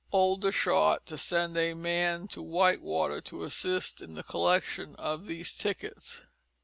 Oldershot to send a man to Whitewater to assist in the collection of these tickets."